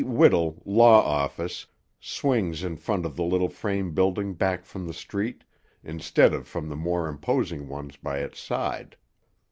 Whittle, Law Office," swings in front of the little frame building back from the street, instead of from the more imposing ones by its side.